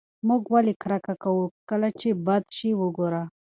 موږ ولې کرکه کوو کله چې بد شی وګورو؟